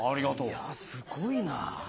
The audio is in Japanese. いやすごいな。